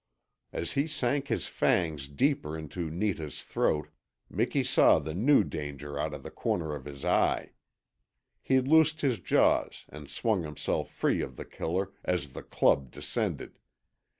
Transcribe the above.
As he sank his fangs deeper into Netah's throat Miki saw the new danger out of the corner of his eye. He loosed his jaws and swung himself free of The Killer as the club descended.